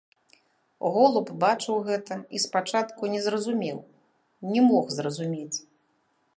Голуб бачыў гэта і спачатку не зразумеў, не мог зразумець.